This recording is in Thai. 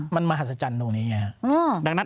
มันมหัศจรรย์ตรงนี้ไงครับ